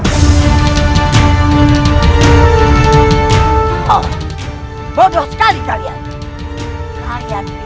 oh bodoh sekali kalian